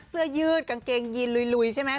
เสื้อยืดกางเกงยีนลุยใช่ไหม